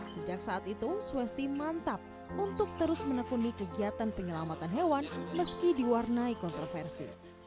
sejak saat itu swesti mantap untuk terus menekuni kegiatan penyelamatan hewan meski diwarnai kontroversi